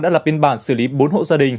đã lập biên bản xử lý bốn hộ gia đình